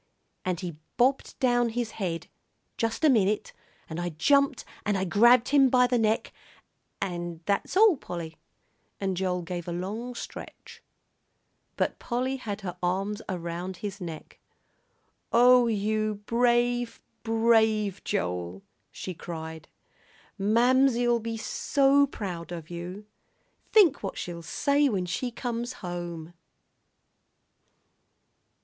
and he bobbed down his head, just a minute, and I jumped and I grabbed him by the neck, and that's all, Polly." And Joel gave a long stretch. But Polly had her arms around his neck. "Oh, you brave, brave Joel," she cried. "Mamsie'll be so proud of you! Think what she'll say when she comes home!"